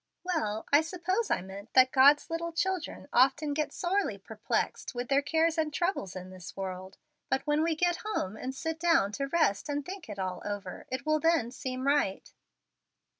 "Well, I suppose I meant that God's little children often get sorely perplexed with their cares and troubles in this world, but when we get home and sit down to rest and think it all over, it will then seem right."